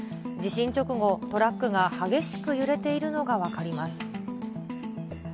地震直後、トラックが激しく揺れているのが分かります。